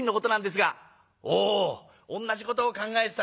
「おおおんなじことを考えてたな。